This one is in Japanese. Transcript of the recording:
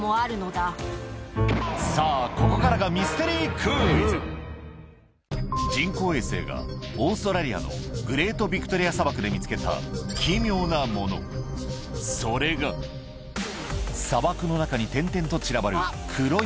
ここからが人工衛星がオーストラリアのグレート・ビクトリア砂漠で見つけたそれが砂漠の中に点々と散らばる黒い